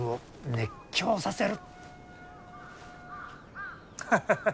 熱狂させる！